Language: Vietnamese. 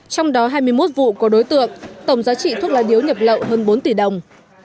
trong đó hai mươi một vụ có đối tượng tổng giá trị thuốc lá điếu nhập lậu hơn bốn tỷ đồng